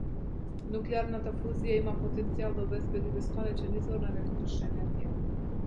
Нуклеарната фузија има потенцијал да обезбеди бесконечен извор на електрична енергија.